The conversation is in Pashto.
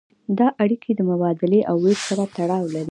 دا اړیکې د مبادلې او ویش سره تړاو لري.